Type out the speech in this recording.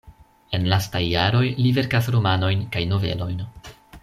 En lastaj jaroj li verkas romanojn kaj novelojn.